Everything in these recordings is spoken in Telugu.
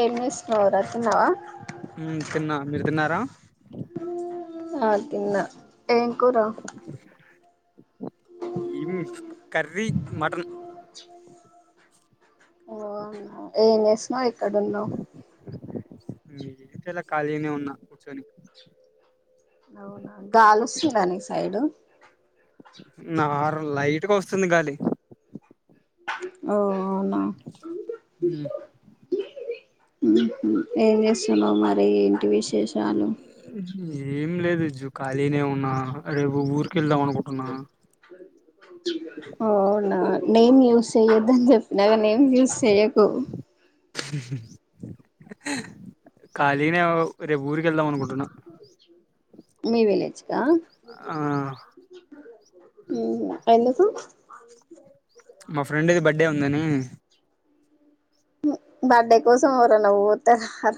ఎర్మిస్ రాతున్నావా తిన్నా మీరు తిన్నారా ఆన్న ఏం కూరా ఇం కరీ మటన్ వు ఏంసమ ఇక్కడున్నావు ఇప్పుడ ఇలా ఖాళీనే ఉన్నా కూర్చొని అవునా గాలి వస్తుడానికి సైడు నా లైట్గా వస్తుంది గాలి ఓ అవునా ఉమ్, ఏం చేస్తున్నా మరి ఇంటి విష చేసాలు ఏం లేదు జు ఖాళీనే ఉన్నా రేపు ఊరిక వెళ్దాం అనుకుంటున్నా అవునా నేమ్ యూస్ చెయ్యొద్దని చెప్పినాక నేమ్ యూస్ చెయ్యకు ఖాళీనే రేపు ఊరిక వెళ్దాం అనుకుంటున్నా మీ మలేచ ఆ ఎందుకు మా ఫ్రెండ్ ది బర్త్డే ఉందని హ్మ్ బర్త్డే కోసం ఎవరు అన్నాపోతరార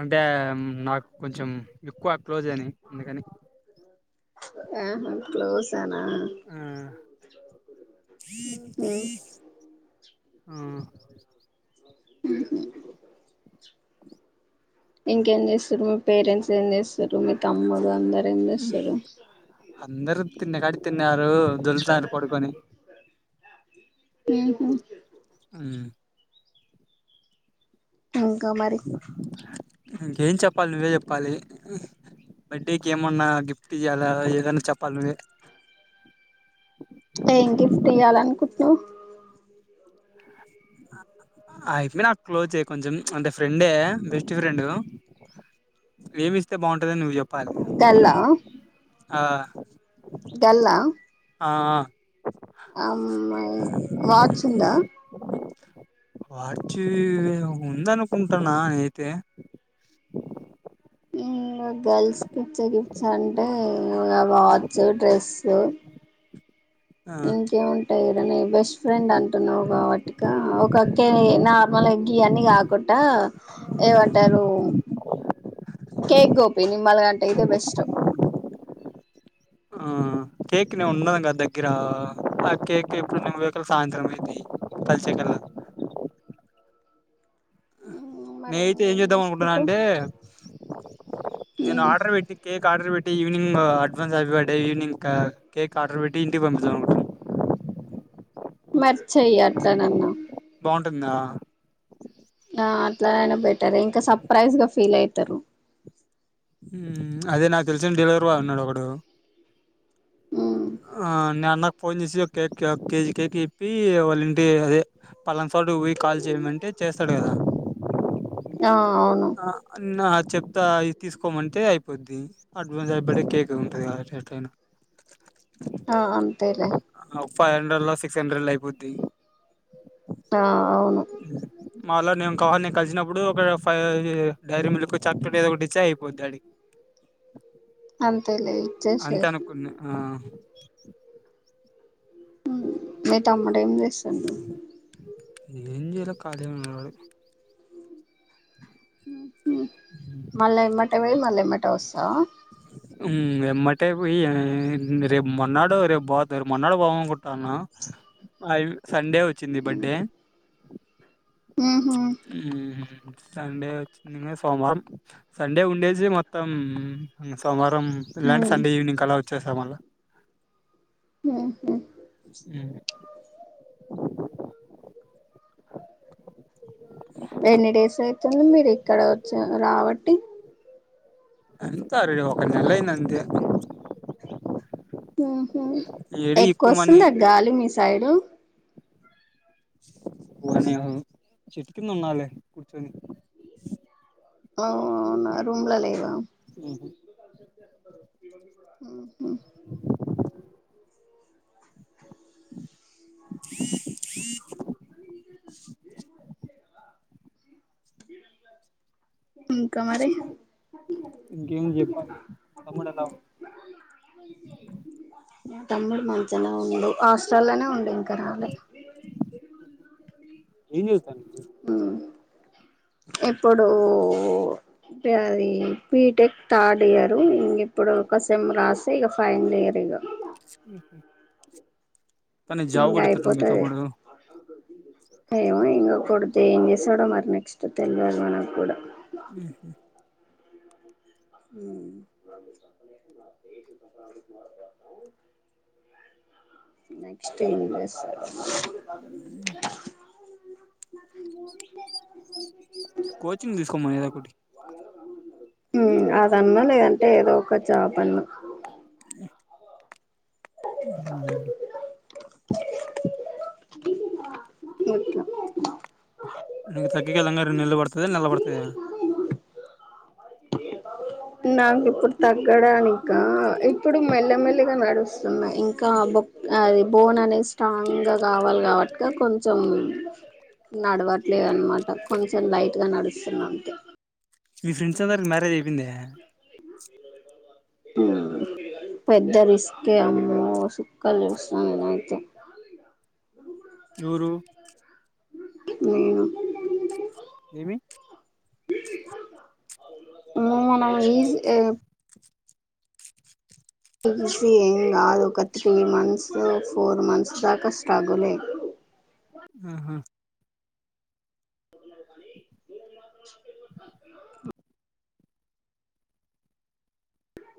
అంటే నాకు కొంచెం ఎక్కువ క్లోజ్ అయినాయి అందుకని ఆహా క్లౌస్ అను ఆ ఉహు ఆ ఊహూ ఇంకేం చేస్తారు మీ పేరెంట్స్ ఏం చేస్తారు మీ తమ్ముడు అందర ఏం చేస్తారు అందరి తన్న కాడి తిన్నారుారు దొర్లు తాండ్రు పోడుకొని. ఊహూ ఉ ఇంకా మరి ఇంకేం చెప్పాలి నువ్వే చెప్పాలి బర్త్డేకి ఏమన్నా గిఫ్ట్ ఈయాల ఏదన్నా చెప్పాలి నువ్వే. ఏం గిఫ్ట్ ఇయ్యాల అనుకుంటున్నా వు ఆ అమ్మి నాకు క్లోజ్ కొంచెం అంటే ఫ్రెండే బెస్ట్ ఫ్రెండ్ ఏమి ఇస్తే బాగుంటదిని నువ్వు చెప్ పాలి గల్లా ఆ గల్లా ఆ ఆ మ్మాయికి వాచ్ ఉందా వాార్చి ఉంద అనుకుంటున్నా అయితే. ఇంగా గర్ల్స్కి ఇచ్చే గిఫ్ట్స్ అంటే ఇంగ వాచ్, డ్రెస్సు ఆ ఇంకేముం టై నీ బెస్ట్ ఫ్రెండ్ అంటున్నావ్ కాబట్టి క ఒక కే నార్మల్గా గీ అన్ని కాకుట ఏమంటారు కేక్ గోపి నిమ్మల్గా అంటే ఇదే బెస్ట్. ఆ కేక్ నేను ఉన్నాను కదా దేగ్గర ఆ కేక్ ఎప్పుడు నేను పోయేకల్కి సాయంత్రం అయితాయి కలిసే కళ్ళ. మరి నై ట్ ఏం ఇంకేం చేద్దాం అనుకుంటున్నా తీసుకుంటావ్ అంటే నేను ఆర్డర్ పెట్టి కేక్ ఆర్డర్ పెట్టి evening advance happy birthday evening cake order పెట్టి ఇంటికి పంపిధాం అనుకుంటన మరి చెయ్యి అట్లానన్నా బావుంటుందా ఆ అట్లానైనా బెట్ టర్ ఇంకా సర్ప్రైజ్గా ఫీల్ అయి తరు అదే నాకు తెలిసిన డెలావరీ బాయ్ ఉన్నాడు ఒకడు ఉమ్ నే అన్నకు ఫోన్ చేసి ఒక కేక్ కేజీ కేక్ ఇప్పి వాళ్ళ ఇంటి అదే. పలన్ చోటుకు పోయి కాల్ చేయమంటే చేస్తాడు కదా. ఆ అవును ఆ నా చెప్ త తీసుకోమంటే అయిపోద్ది అడ్వాన్స్ హ్యాపీ బర్త్డే కేక్ ఉంటుంది కాబట్టి ఎట్లైనా. ఆ అంతేలే ఫైవ్ హండ్రెడ్ లో సిక్స్ హండ్రడ్ లో అయిపోద్ది ఆ అవును ఉమ్. మాలో నేం కావా [unintelligible] లి నేను కలిసినప్పుడు ఒక ఆ అది డైరీ మిల్క్ చాక్లెట్ ఏదో ఒకటి ఇస్తే అయిపోద్ది అడికి మంత్ అంతే అనుకున్నా ఆ మీ తమ్ముడు ఏం చేస్తుండు ఏంజెలా ఖాళీగా ఉన్నాడు వాడు మళ్ళ ఎమన్ పొయి మల్లెమ్మటే వస్తావా ఎమ్మంటే పొయి రేపు మొన్నాడు రేపు బాదు మొన్నాడు పొదామనుకుంటాన్నా అవి సండే వచ్చింది బర్త్డే ఉహు మ్మ్ సండే వచ్చింది సోమవారం సండే ఉండేసి మొత్తం సోమవారం ఇలాంటే ఉమ్ సండే ఈవినింగ్ కల్ల వచ్చేసా మళ్ళా ఆ హ అ ఎన్ని డేస్ అయితుంది మీరు ఇక్కడ వచ్చి రాబట్టి ఎంత రె ఒక నెలయింది అంతే ఓహో ఏడికి ఎక్కువ మనీ వస్తుంది ఆ గాలి మీస్ సైడు పోనే చెట్టుకింద ఉన్నాలే కుచ్చొని అవునా రూమ్లో లేవా ఉహూ మ్మ్ హ్మ్ అ ఇంకా మరి ఇంకేం చెప్ తమ్ముడు ఉందా మా తమ్ముడు మంచినే ఉన్నాడు హాస్టల్లోనే ఉండు కర్నుల్ లే ఏం చెస్తాన్నాడు ఇప్పుడు అది బీటెక్ థర్డ్ ఇయరు ఇప్పుడు ఓక సెమ్ రాసి ఇక ఫైనల్ ఇయర్ ఇక ఉహు ఎట్లాన్న జాబ్ గొడతాడు మీ తమ్ముడు అయ్యో నా కొడకు ఏం చేస్తాడొ మరి నెక్స్ట్ తెలివాదు నాక్కూడ ఉహూ హ్మ్ [inaudible] నెక్స్ట్ ఏం చేస్తాడొ కోచింగ్ తీసుకోమనల్ల ఒకటి అదన్న లేదంటే ఏదో ఒక ఒక జాబ్ అన్న [inaudible] హ్మ్ [inaudible] నికు తగ్గకిదంగా రెంనెల్ బడుతద నెల బడ్తద నాకు ఇప్పుడు తగ్గడానిక ఇప్పుడు మెల్లమెల్లిగా నడుస్తున్నా ఇంకా బొ బోన్ అనేది స్ట్రాంగ్గా కావాలి, కాబట్టిక కొంచెం నడవట్లేదునమాట కొంచెం లైట్గా నడుస్తున్నా అంతే మీ ఫ్రెండ్స్ అందరికీ మ్యారేజ్ అయిపోయింద పెద్ద రిస్కే అమ్మో సుక్కలు చూస్తానుఏమెఅంతే జూరు నేనా ఏమి [inaudible] ఈసి ఏంకాదు ఒక త్రీ మంత్స్ ఫోర్ మంత్స్ దాకా స్ట్రగులె ఆహా [inaudible]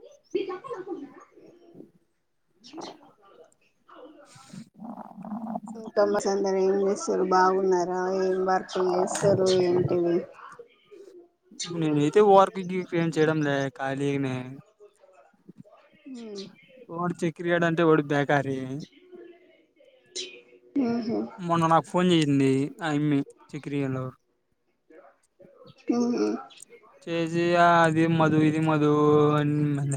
[unintelligible] లఖ్ఖుంటున్నార [unintelligible] అందర ఎం మీరు బావున్నారు అ ఏం వర్కులు చెస్తూరు ఏంటివి ననైతే వర్కికి ఎం చేయడంలే ఖాళీగనే హ్మ్ క్రీకెట్ అంటే వాడికి బ్యా అరే [inaudible] మొన్న నాకు ఫోన్ చేసింది ఆ ఇమ్మి చకిరయలొ మ్హ్ చేేజీ అది మధు ఇది మధు అన్ మల్ల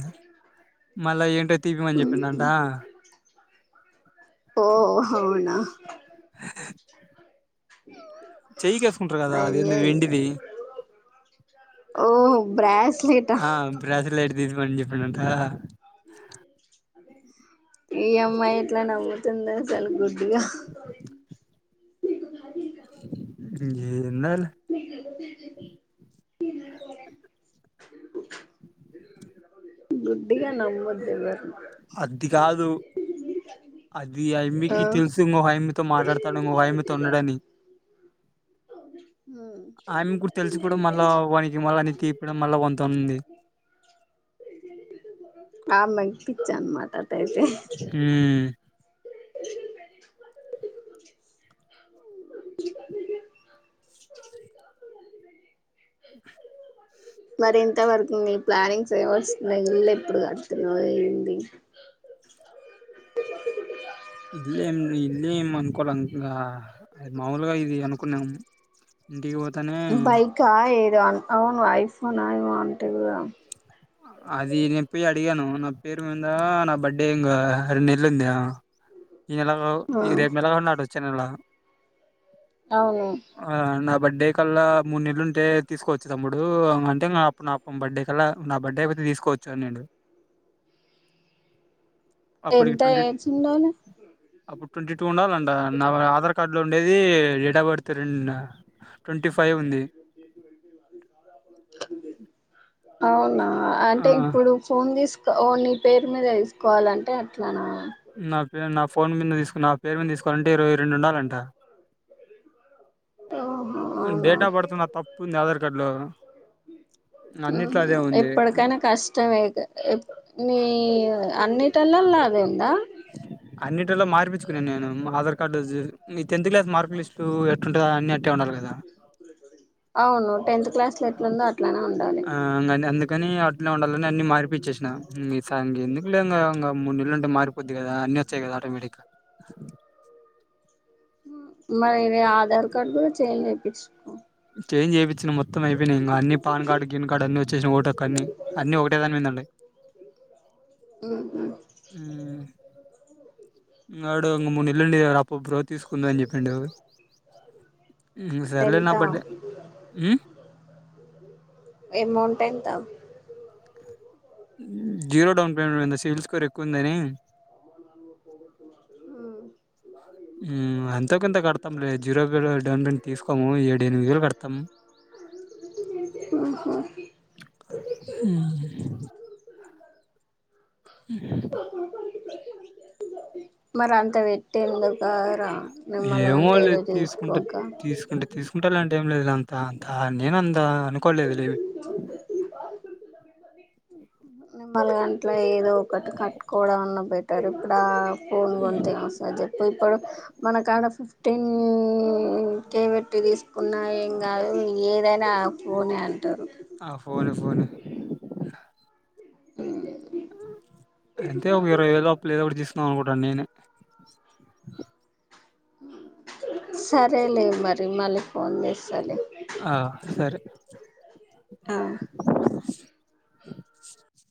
మళ్లా ఏంట తిపియమనని ఉహు చెప్పిడంట ఓ అవునా చెయ్యికిఎసుకుంటారు కదా అది ఎంది అయ్యయ్యో వెండిది ఓ బ్రాస్లెటా ఆ బ్రస్లెట్ [unintelligible] పని చెప్పిండంటా ఈ అమ్మాయి ఇట్లా నవ్వుతుంది అసలు గుర్ ఇంగా [inaudible] ఏ మీ [unintelligible] గుడ్డిగ నమ్మొదుఎవర్ని అది కాదు అద్ ఇది అమ్మికి ఆ తెలుసు మ అమ్మితో మాట్లాడతాను మ అమి తొ ఉండడని. ఆమె కూడా తెలుసు కూడా మళ్ళా వానికి మళ్ళ అని తీపడం. మళ్ళా వంతోన్ది ఆ మైక్ పిచ్చన్మాట టాయితే హ్మ్ మరి ఇంతవరకు మీ ప్లానింగ్స్ ఏం వస్తున్నాయ్. ఇల్లేప్పుడు కడుతునవేంది. ఇద్లేం ఇల్లు ఏం అనుకులం. ఇంగా మాములుగా ఇది అనుకున్నాం. ఇంకేమో బైకా ఏ దో అన్ అవును ఐఫోనా ఏమో అంటివిగా. అది నేను పోయి అడిగాను. నా పేరు మీద నా బర్త్డే ఇంగా రెంనెల్లుంద. ఈ నెల గావ్ ఆ ఈ రేపు నెలగాన్ దటోచ్చు. చ్చేనెల అవును బర్త్డే కల్లా మూడు నెల్లుంటే తీసుకోవచ్చు తమ్ముడు. అంటే నా అప్పుడ్ నా పం బర్త్డే కల్లా. నా బర్త్డే అయిపతే తీసుకోవచ్చాన్నాడు. ఎంత ఏజిండాలే. అప్పుడ్ ట్వంటీ టూ ఉండాలంట. నా ఆధార్ కార్డు లో ఉండేది. డేట్ ఆఫ్ బర్త్ రెం నా ట్వంటీ ఫైవ్ ఉంది. అవునా ఆ అంటే ఇప్పుడు ఫోన్ తీసుక్ క ఓ నీ పేరు మీద తీసుకోవాలంటే అట్లానా. నా పేర్ నా ఫోన్ మీద తీసుకున్. నా పేరు మీద తీసుకోవలాంటే ఇరవై రెండు ఉండాలంట. ఓహో అవునా డేట్ ఆఫ్ బర్త్ నాద్ తప్పుందదర్ క్ కాడ్లో ఉహ్ హు ఎప్పటికైనా కష్టమే ఇగా ఎప్ నీయ్ అన్నిటెల్లల అదే ఉందా. లా మార్పించుకున్నా నేను. మా ఆధార్ కార్డు జిర్ మీ టెన్త్ క్లా మార్క్ లిస్ట్ ఎట్యూంటదా. అన్నీ అవును టెన్త్ క్లాస్ లో ఎట్లుందో అట్లానే ఉం ఆ ఇంగన్నీ అందుకని అట్లా ఉండాలని. అన్ని మార్పిచ్చేస్న. మీసా ఇంగేదు లేంగా. ఇంగ మున్నేళ్లుంటే మారిపోద్ది గాదా. అన్ని వచ్చాయి గాదా ఆటోమేటిక్గా. మరి ఇవి ఆధార్ కార్డు కూడా చేయ్లేం. ఈడ్స్ కో చెంజెపిత్ వచ్చిన మొత్తం అయిపోయినా. ఇంగా అన్ని పాన్ కార్డు, గిన్ కార్డు అన్ని వచ్చేస్నయ్. ఓటక్ అన్ని, అన్ని ఒకటే దాని మీన్ద ఉండయ్. ఉహ్మ్మ్ ఇ ఎడు మూ ఇల్ండివ అప్పుబబ్్ర [unintelligible] తీసుకుందా అని చెప్పిండు సరేలే నా ఎంత బర్డే హ్మ్మ్ అమౌంట్ ఎంత జీరో డౌన్ పేమెంట్ ఏంది సేల్స్కోర్ ఎక్కువందని ఆహా అంత కొంత కడతాంలే జీరో డెవట్ తీసుకోము ఏడు ఎనిమిది వేలు కడతాము ఉహు. తం ఉహ్మ్మ్ మరి అంత పెట్టేందుకు రా ఏమో వాళ్లే తీసుకుంటా తీసుకుంటే తీసుకుంట హోటల్ లో అంటే ఏంలేదు లే అంత అంత నేనంద జతు త మలు గంటల [unintelligible] ఏదో ఒకటి కట్టుకోవడం అన్న బెటర్ ఇప్పుడు ఆ ఫోన్ కొంటే [unintelligible] చెప్పారు ఇప్పుడు మనకాడ ఫిఫ్టీన్ కే బెట్టి తీసుకున్నా ఏం కా ఏదైనా ఓనే అంటారు ఆ ఫోను ఫోను అంతే ఒక ఇరవై వేలు లోపు ఏదో ఒకటి తీసుకుందాం అనుకుంటాన నేనే సరేలే మరి మళ్ళీ ఫోన్ చేస్తాలే ఆ సరే ఆ